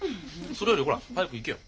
それよりほら早く行けよ。